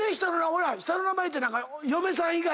おいら下の名前って嫁さん以外